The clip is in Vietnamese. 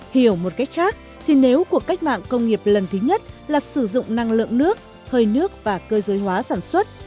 hiểu một cách khác thì nếu cuộc cách mạng công nghiệp lần thứ nhất là sử dụng năng lượng nước hơi nước và cơ giới hóa sản xuất